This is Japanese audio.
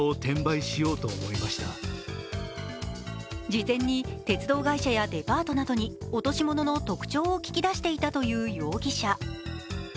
事前に鉄道会社やデパートなどに落とし物の特徴を聞き出していたという容疑者。